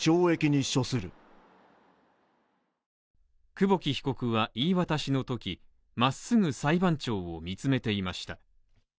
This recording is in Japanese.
久保木被告は言い渡しのとき、まっすぐ裁判長を見つめていました。